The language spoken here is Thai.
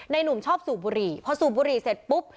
หนุ่มชอบสูบบุหรี่พอสูบบุหรี่เสร็จปุ๊บ